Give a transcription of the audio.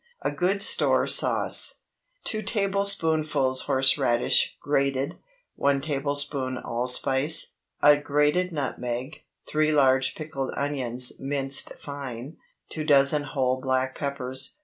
A GOOD STORE SAUCE. 2 tablespoonfuls horse radish (grated). 1 tablespoonful allspice. A grated nutmeg. 3 large pickled onions (minced fine). 2 dozen whole black peppers.